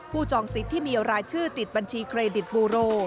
จองสิทธิ์ที่มีรายชื่อติดบัญชีเครดิตบูโร